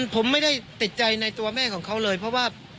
ผมไม่ได้ติดใจในตัวแม่ของเขาเลยเพราะว่า